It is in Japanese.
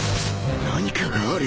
何かがある！